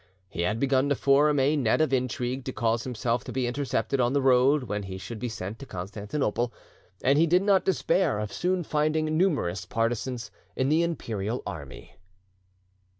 He had begun to form a net of intrigue to cause himself to be intercepted on the road when he should be sent to Constantinople, and he did not despair of soon finding numerous partisans in the Imperial army.